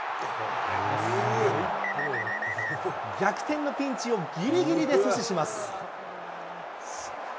逆転のピンチをぎりぎりで阻止します。